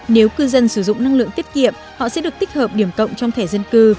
nếu cư dân sử dụng năng lượng tiết kiệm họ sẽ được tích hợp điểm cộng trong thẻ dân cư